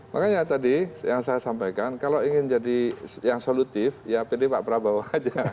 makanya tadi yang saya sampaikan kalau ingin jadi yang solutif ya pilih pak prabowo aja